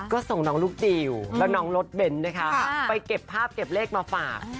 ก็ส่งน้องลูกจิลแล้วน้องรถเบนท์นะคะไปเก็บภาพเก็บเลขมาฝาก